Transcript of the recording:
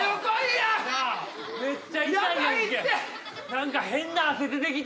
何か変な汗出てきたし。